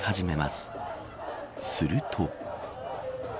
すると。